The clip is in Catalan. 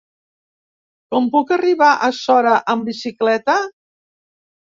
Com puc arribar a Sora amb bicicleta?